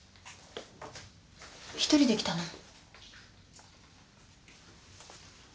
１人で来たの？